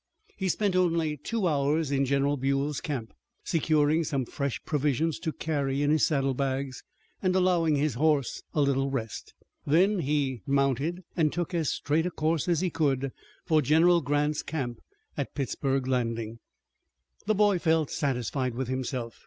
He spent only two hours in General Buell's camp, securing some fresh provisions to carry in his saddle bags and allowing his horse a little rest. Then he mounted and took as straight a course as he could for General Grant's camp at Pittsburg Landing. The boy felt satisfied with himself.